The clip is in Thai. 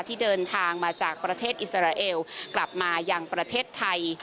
ที่เดินทางมาจากประเทศอิสราเอลกลับมายังประเทศไทย